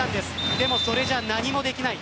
でもそれじゃ何もできない。